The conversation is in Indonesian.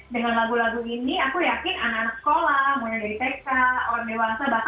dan lagu lagu ini aku yakin anak anak sekolah mulai dari tk orang dewasa bahkan sampai orang utuhannya pun akan mendengarkan lagu ini gitu